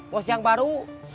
bos yang baru